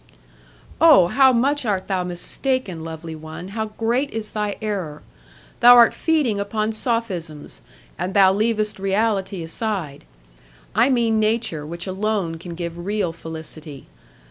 "Oh! how much art thou mistaken, lovely one! How great is thy error! Thou art feeding upon sophisms, and thou leavest reality aside; I mean nature which alone can give real felicity.